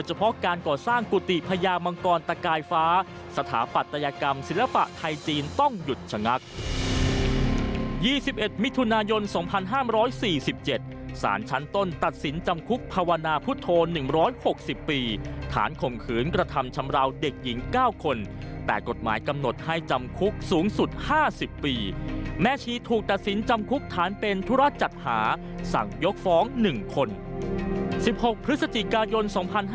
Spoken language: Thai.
เพราะการก่อสร้างกุฏิพญามังกรตะกายฟ้าสถาปัตยกรรมศิลปะไทยจีนต้องหยุดชะงัก๒๑มิถุนายน๒๕๔๗สารชั้นต้นตัดสินจำคุกภาวนาพุทธโธ๑๖๐ปีฐานข่มขืนกระทำชำราวเด็กหญิง๙คนแต่กฎหมายกำหนดให้จำคุกสูงสุด๕๐ปีแม่ชีถูกตัดสินจำคุกฐานเป็นธุระจัดหาสั่งยกฟ้อง๑คน๑๖พฤศจิกายน๒๕๕๙